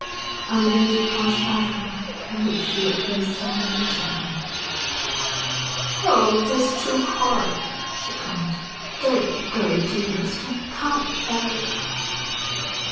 I'm going to a part of Africa from which Europeans seldom return.' 'Oh, that's too horrible,' she cried. 'Don't go, dearest; I can't bear it.'